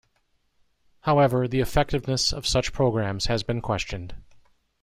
However, the effectiveness of such programs has been questioned.